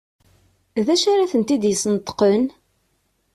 D acu ara tent-id-yesneṭqen?